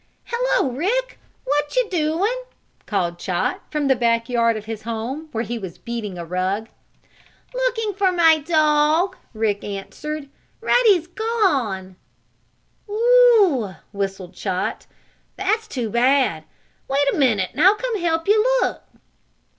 "Hello, Rick! What you doin'?" called Chot from the back yard of his home, where he was beating a rug. "Looking for my dog," answered Rick. "Ruddy's gone!" "Whew!" whistled Chot. "That's too bad. Wait a minute, I'll come and help you look!"